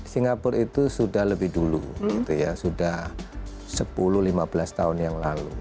singapura itu sudah lebih dulu sudah sepuluh lima belas tahun yang lalu